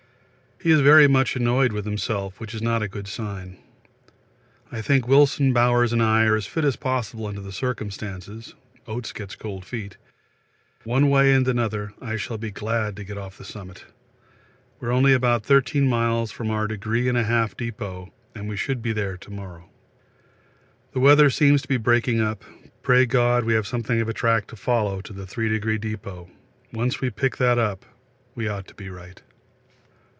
He is very much annoyed with himself, which is not a good sign. I think Wilson, Bowers and I are as fit as possible under the circumstances. Oates gets cold feet. One way and another, I shall be glad to get off the summit! We are only about 13 miles from our 'Degree and half' Depôt and should get there to morrow. The weather seems to be breaking up. Pray God we have something of a track to follow to the Three Degree Depôt once we pick that up we ought to be right.